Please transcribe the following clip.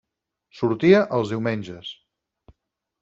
Sortia els diumenges.